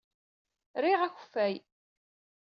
Riɣ akeffay.